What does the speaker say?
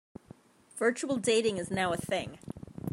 Virtual dating is now a thing.